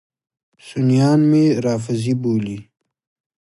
سنیان مې رافضي بولي.